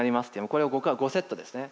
これを５セットですね。